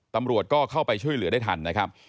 ตำรวจก็เข้าไปช่วยเหลือได้ทันนะครับ